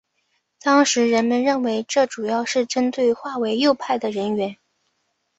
当时人们认为这主要是针对划为右派的人员。